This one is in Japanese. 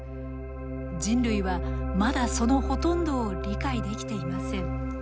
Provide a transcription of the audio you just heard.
人類はまだそのほとんどを理解できていません。